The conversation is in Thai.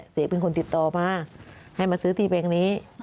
บอกว่าเศษเป็นคนติดต่อมาให้มาซื้อที่แปลงนี้